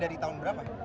dari tahun berapa